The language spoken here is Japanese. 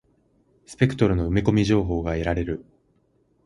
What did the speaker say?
スペクトルの埋め込み情報が得られる。